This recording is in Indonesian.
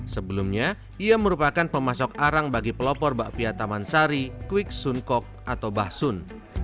sebelumnya ia merupakan pemasok arang bagi pelopor bakpia taman sari kwik sun kok atau bah sun